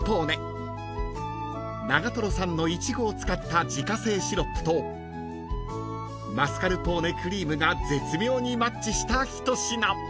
［長瀞産のイチゴを使った自家製シロップとマスカルポーネクリームが絶妙にマッチした一品］